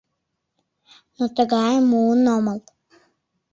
Но тыгайым муын омыл.